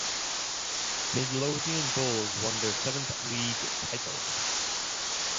Midlothian Bulls won their seventh league title.